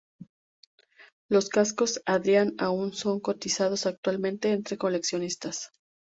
Los cascos Adrian aún son cotizados actualmente entre coleccionistas.